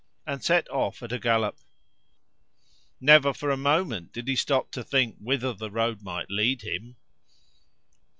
and set off at a gallop. Never for a moment did he stop to think whither the road might lead him!